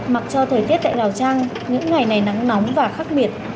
mặc cho thời tiết tại lào trăng những ngày này nắng nóng và khắc miệt